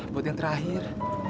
buat yang terakhir